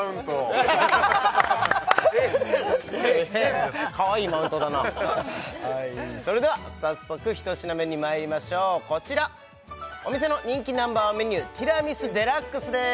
えっへんかわいいマウントだなそれでは早速一品目にまいりましょうこちらお店の人気Ｎｏ．１メニューティラミスＤＸです